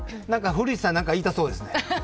古市さん、何か言いたそうですね。